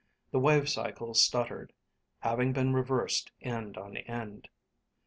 The wave cycle stuttered, having been reversed end on end.)